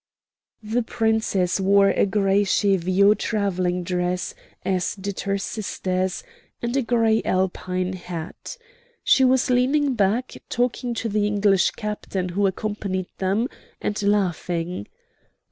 The Princess wore a gray cheviot travelling dress, as did her sisters, and a gray Alpine hat. She was leaning back, talking to the English captain who accompanied them, and laughing.